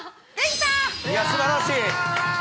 いやすばらしい！